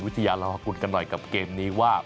วิทยาราควรกันกันหน่อยกับเกมนี้ว่า